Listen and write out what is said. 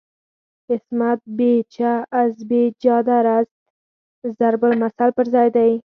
"عصمت بی چه از بی چادریست" ضرب المثل پر ځای دی.